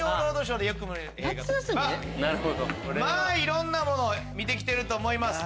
まぁいろんなものを見て来てると思います。